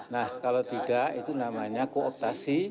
nah kalau tidak itu namanya kooptasi